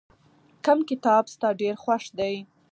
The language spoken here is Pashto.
کوم کتاب ستا ډېر خوښ دی؟